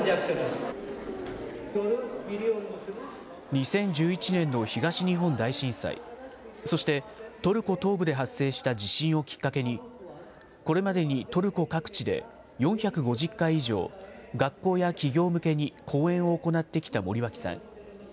２０１１年の東日本大震災、そしてトルコ東部で発生した地震をきっかけに、これまでにトルコ各地で４５０回以上、学校や企業向けに講演を行ってきた森脇さん。